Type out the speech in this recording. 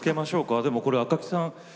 でも、これ赤木さん